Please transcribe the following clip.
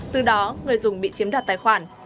từ đó người dùng bị chiếm đặt tài khoản